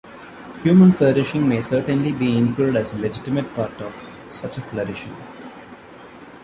Human flourishing may certainly be included as a legitimate part of such a flourishing.